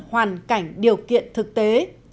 hoàn cảnh điều kiện thực tế